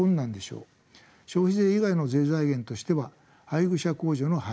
消費税以外の税財源としては配偶者控除の廃止